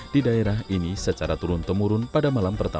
di daerah ini secara turun temurun pada malam pertama